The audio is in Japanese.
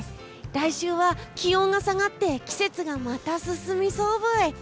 来週は気温が下がって季節がまた進みそうブイ。